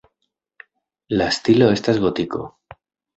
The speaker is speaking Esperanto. La stilo estas gotiko.